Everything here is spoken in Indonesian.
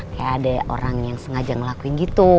kayak ada orang yang sengaja ngelakuin gitu